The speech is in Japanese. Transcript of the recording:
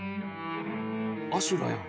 阿修羅やん。